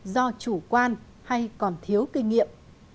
do chủ quan hay còn thiếu kinh nghiệm